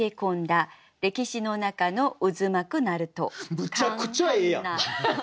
むちゃくちゃええやん！